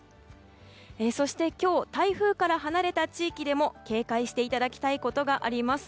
そして今日台風から離れた地域でも警戒していただきたいことがあります。